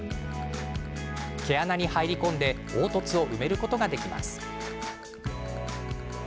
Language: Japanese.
毛穴に入り込んで凹凸を埋めることができるんです。